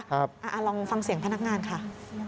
ลองฟังเสียงพนักงานค่ะ